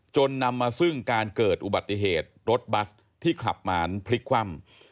นำมาซึ่งการเกิดอุบัติเหตุรถบัสที่ขับมาพลิกคว่ำ